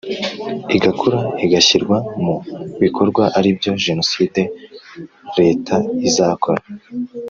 igakura igashyirwa mu bikorwa aribyo Jenoside Leta izakora